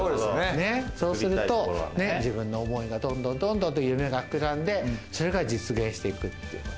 そうすると自分の思いがどんどん夢が膨らんで、それが実現していくっていうこと。